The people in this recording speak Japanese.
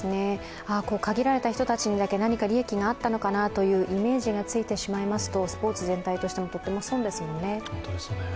限られた人たちにだけ何か利益があったのかなとイメージがついてしまいますとスポーツ全体としてもとても損ですよね。